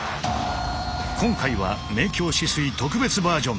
今回は「明鏡止水」特別バージョン。